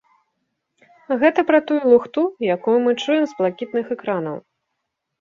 Гэта пра тую лухту, якую мы чуем з блакітных экранаў.